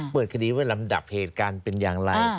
เปิดคดีว่าลำดับเหตุการณ์เป็นอย่างไร